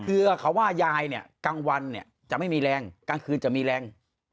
คือเขาว่ายายกลางวันจะไม่มีแรงกลางคืนจะมีแรง